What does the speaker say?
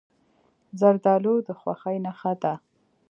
زردالو د خوښۍ نښه ده.